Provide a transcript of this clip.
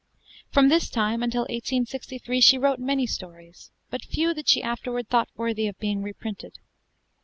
From this time until 1863 she wrote many stories, but few that she afterward thought worthy of being reprinted.